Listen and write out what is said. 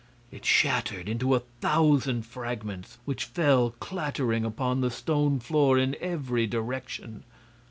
It shattered into a thousand fragments, which fell clattering upon the stone floor in every direction.